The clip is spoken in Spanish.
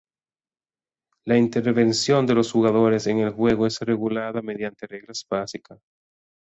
La intervención de los jugadores en el juego es regulada mediante reglas básicas.